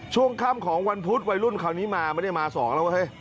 ช่วงค่ำของวันพุธวัยรุ่นคราวนี้มาไม่ได้มาสองแล้วเฮ้ย